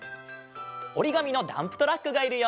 おりがみのダンプトラックがいるよ。